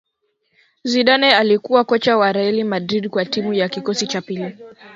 Zidane alikuwa kocha wa Real Madrid kwa timu ya kikosi cha pili